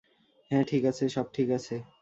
হ্যা - ঠিক আছে, সব ঠিক আছে।